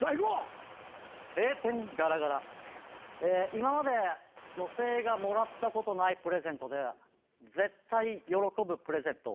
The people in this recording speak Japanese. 今まで女性がもらったことないプレゼントで絶対喜ぶプレゼント